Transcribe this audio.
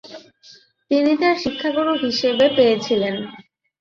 তিনি তার শিক্ষাগুরু হিসেবে পেয়েছিলেন।